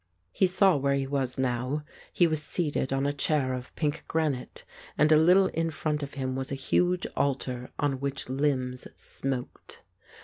He saw where he was now. He was seated on a chair of pink granite, and a little in front of him was a huge altar, on which limbs smoked.